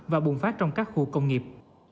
và bùng phát trong các khu công nghiệp